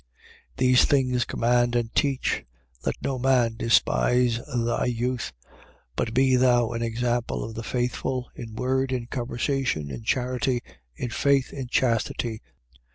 4:11. These things command and teach: 4:12. Let no man despise thy youth: but be thou an example of the faithful, in word, in conversation, in charity, in faith, in chastity.